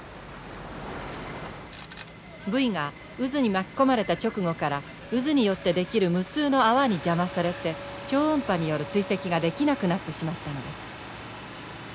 ブイが渦に巻き込まれた直後から渦によって出来る無数の泡に邪魔されて超音波による追跡ができなくなってしまったのです。